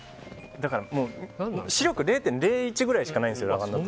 視力０．０１くらいしかないんですよ。